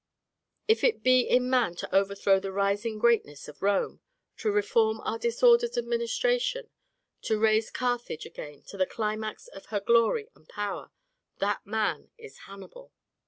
If it be in man to overthrow the rising greatness of Rome, to reform our disordered administration, to raise Carthage again to the climax of her glory and power, that man is Hannibal.